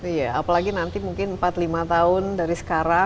iya apalagi nanti mungkin empat lima tahun dari sekarang